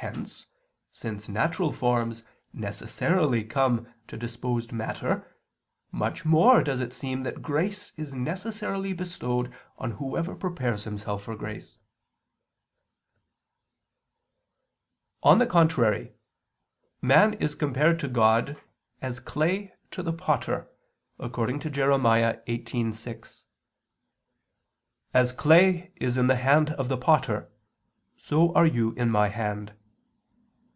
Hence, since natural forms necessarily come to disposed matter, much more does it seem that grace is necessarily bestowed on whoever prepares himself for grace. On the contrary, Man is compared to God as clay to the potter, according to Jer. 18:6: "As clay is in the hand of the potter, so are you in My hand."